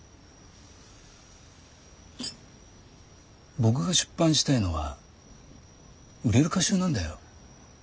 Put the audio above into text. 僕が出版したいのは売れる歌集なんだよ。